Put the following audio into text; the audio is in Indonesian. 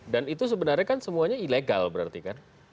dan itu sebenarnya kan semuanya ilegal berarti kan